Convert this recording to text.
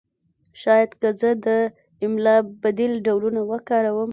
شاید که زه د املا بدیل ډولونه وکاروم